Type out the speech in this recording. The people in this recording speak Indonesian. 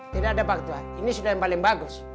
tidak ada pak ketua ini sudah yang paling bagus